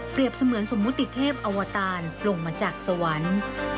เสมือนสมมุติเทพอวตารปลงมาจากสวรรค์